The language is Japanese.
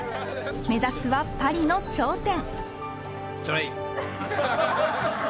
目指すはパリの頂点。